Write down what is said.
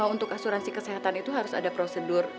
untuk asuransi kesehatan itu harus ada prosedur